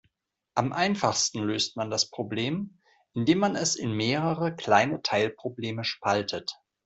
Am einfachsten löst man das Problem, indem man es in mehrere kleine Teilprobleme spaltet.